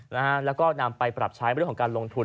แล้วก็นำไปปรับใช้เรื่องของการลงทุน